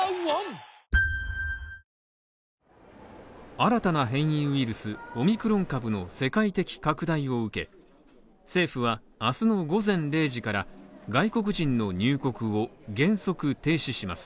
新たな変異ウイルスオミクロン株の世界的拡大を受け、政府は明日の午前０時から外国人の入国を原則停止します。